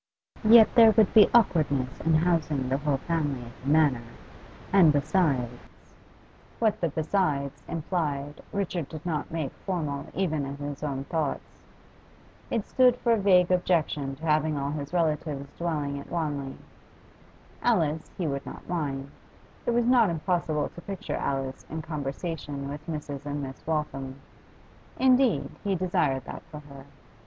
Yet there would be awkwardness in housing the whole family at the Manor; and besides What the 'besides' implied Richard did not make formal even in his own thoughts. It stood for a vague objection to having all his relatives dwelling at Wanley. Alice he would not mind; it was not impossible to picture Alice in conversation with Mrs. and Miss Waltham; indeed, he desired that for her.